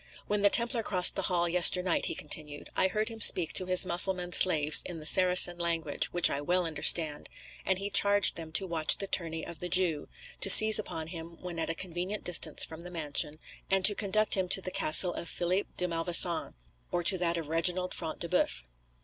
"When the Templar crossed the hall yesternight," he continued, "I heard him speak to his Mussulman slaves in the Saracen language, which I well understand, and he charged them to watch the journey of the Jew, to seize upon him when at a convenient distance from the mansion, and to conduct him to the castle of Philip de Malvoisin, or to that of Reginald Front de Boeuf."